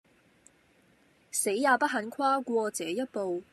死也不肯跨過這一步。